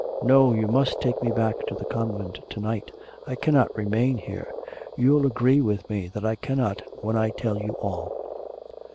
'No; you must take me back to the convent to night, I cannot remain here.... You'll agree with me that I cannot when I tell you all.'...